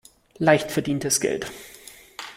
Leicht verdientes Geld.